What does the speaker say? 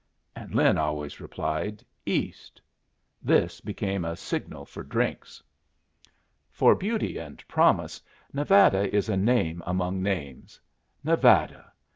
And Lin always replied, "East." This became a signal for drinks. For beauty and promise, Nevada is a name among names. Nevada!